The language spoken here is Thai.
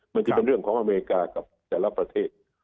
มันจะเป็นเรื่องของอเมริกากับแต่ละประเทศ